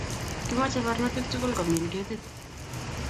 Kimache barnotik tukul komin ketit